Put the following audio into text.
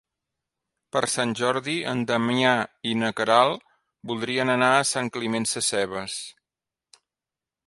Per Sant Jordi en Damià i na Queralt voldrien anar a Sant Climent Sescebes.